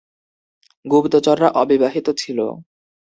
গুপ্তচররা অবিবাহিত ছিল।